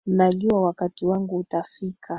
Najua wakati wangu utafika.